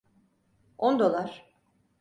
On dolar.